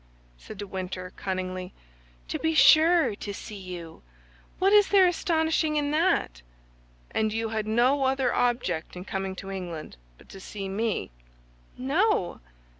said de Winter, cunningly. "To be sure, to see you. What is there astonishing in that?" "And you had no other object in coming to England but to see me?" "No."